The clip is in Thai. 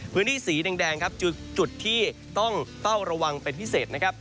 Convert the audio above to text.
พื้นที่สีแดงครับจุดที่ต้องเป้าระวังเป็นพิเศษนะครับ